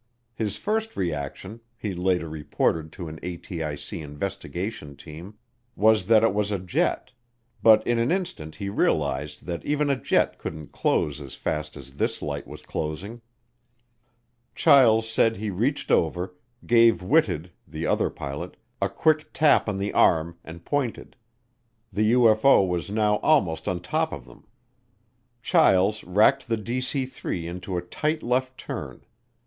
His first reaction, he later reported to an ATIC investigation team, was that it was a jet, but in an instant he realized that even a jet couldn't close as fast as this light was closing. Chiles said he reached over, gave Whitted, the other pilot, a quick tap on the arm, and pointed. The UFO was now almost on top of them. Chiles racked the DC 3 into a tight left turn.